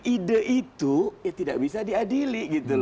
ide itu ya tidak bisa diadili